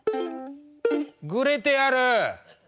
「グレてやる！」。